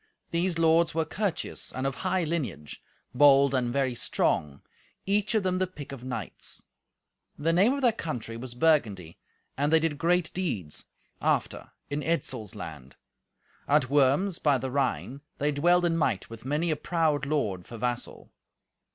These lords were courteous and of high lineage, bold and very strong, each of them the pick of knights. The name of their country was Burgundy, and they did great deeds, after, in Etzel's land. At Worms, by the Rhine, they dwelled in might with many a proud lord for vassal.